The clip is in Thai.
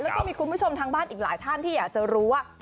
แล้วก็มีคุณผู้ชมทางบ้านอีกหลายท่านที่อยากจะรู้ว่า